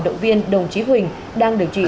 động viên đồng chí huỳnh đang điều trị